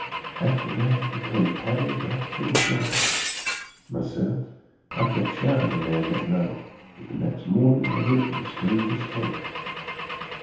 After that, he come paddling back for the shore. Myself I kept shy of the man that night, but the next morning I went to the stranger's camp.